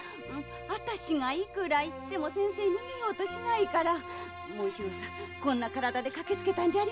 私がいくら言っても先生は逃げようとしないから紋四郎さんがこんな体で駆けつけたんですよ。